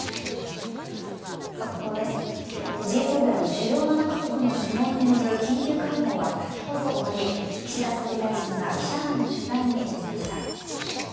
Ｇ７・主要７か国の首脳による緊急会合は先ほど終わり、岸田総理大臣が記者団の取材に応じました。